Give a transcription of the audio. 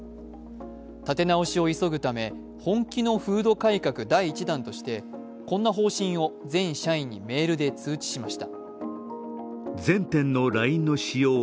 立て直しを急ぐため、本気の風土改革第１弾として、こんな方針を全社員にメールで通知しました。